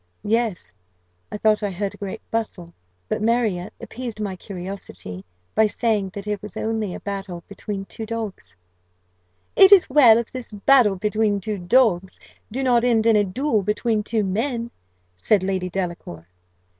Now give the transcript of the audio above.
"Yes, I thought I heard a great bustle; but Marriott appeased my curiosity, by saying that it was only a battle between two dogs." "It is well if this battle between two dogs do not end in a duel between two men," said Lady Delacour.